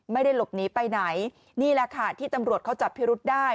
ไม่ได้หลบหนีไปไหนนี่แหละค่ะที่ตำรวจเขาจับพิรุษได้